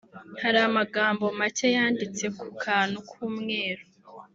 hari amagambo make yanditse ku kantu k’umweru